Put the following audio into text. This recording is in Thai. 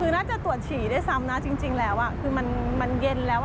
คือน่าจะตรวจฉี่ด้วยซ้ำนะจริงแล้วคือมันเย็นแล้ว